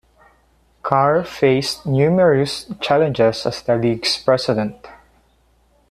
Carr faced numerous challenges as the league's president.